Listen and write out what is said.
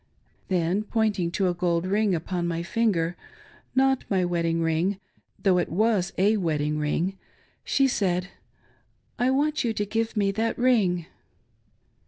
Then pointing to a gold ring upon my finger — not my wedding ring, though it was a wedding ring — she said :" I want you to give me that ring."